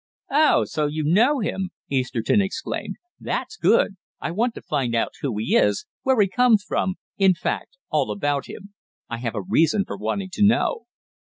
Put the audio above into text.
"Oh, so you know him?" Easterton exclaimed. "That's good. I want to find out who he is, where he comes from, in fact all about him. I have a reason for wanting to know."